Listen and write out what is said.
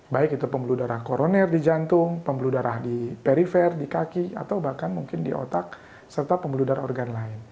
baik itu pembuluh darah koroner di jantung pembuluh darah di perifer di kaki atau bahkan mungkin di otak serta pembuluh darah organ lain